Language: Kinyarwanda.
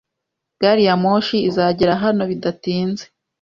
Gari ya moshi izagera hano bidatinze.